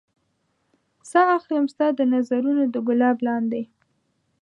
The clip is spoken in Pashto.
ساه اخلم ستا د نظرونو د ګلاب لاندې